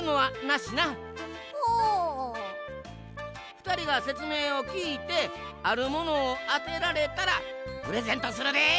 ふたりがせつめいをきいてあるものをあてられたらプレゼントするで。